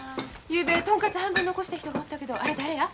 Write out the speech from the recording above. ゆうべトンカツ半分残した人がおったけどあれ誰や？